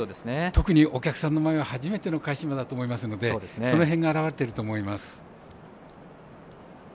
特にお客さんの前は初めての返し馬だと思いますのでその辺が表れていると思います。